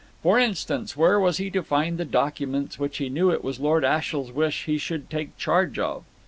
For instance, where was he to find the documents which he knew it was Lord Ashiel's wish he should take charge of.